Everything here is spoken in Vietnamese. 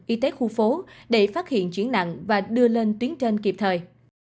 y tế khu phố để phát hiện chuyển nặng và đưa lên tuyến trên kịp thời